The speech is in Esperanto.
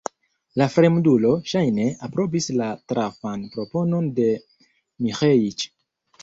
La fremdulo, ŝajne, aprobis la trafan proponon de Miĥeiĉ.